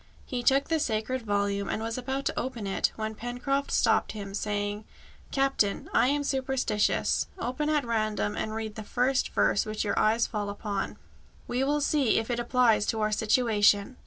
He took the sacred volume, and was about to open it, when Pencroft stopped him, saying, "Captain, I am superstitious. Open at random and read the first verse which your eye falls upon. We will see if it applies to our situation."